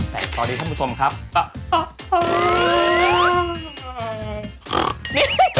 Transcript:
แต่ตอนนี้ท่านผู้ชมครับ